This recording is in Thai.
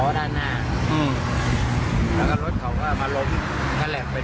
ส่วนสองตายายขี่จักรยานยนต์อีกคันหนึ่งก็เจ็บถูกนำตัวส่งโรงพยาบาลสรรค์กำแพง